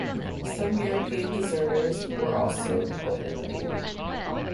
Some European deserters were also employed in the navy.